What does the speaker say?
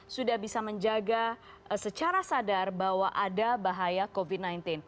sudah bisa menjaga secara sadar bahwa ada bahaya covid sembilan belas